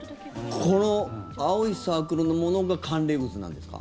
この青いサークルのものが寒冷渦なんですか？